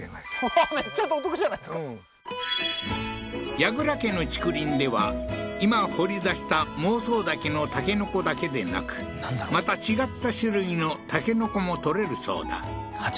矢倉家の竹林では今掘り出した孟宗竹の筍だけでなくまた違った種類の筍も採れるそうだ淡竹？